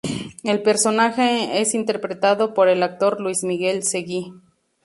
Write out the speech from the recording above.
El personaje es interpretado por el actor Luis Miguel Seguí.